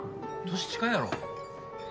年近いやろ。